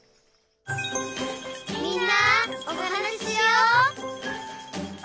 「みんなおはなししよう」